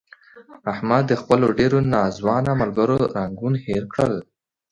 احمد د خپلو ډېرو ناځوانه ملګرو رنګون هیر کړل.